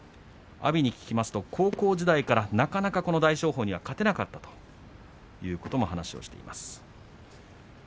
阿炎に聞きますと高校時代からなかなか大翔鵬には勝てなかったという話をしています。